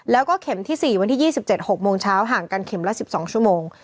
แล้วก็เข็มที่๔วันที่๒๗๖โมงเช้าห่างกันเข็มละ๑๒ชั่วโมง